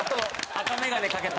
赤眼鏡かけた。